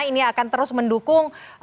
ini akan terus mendukung